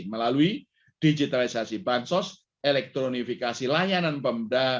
melalui digitalisasi bansos elektronifikasi layanan pemda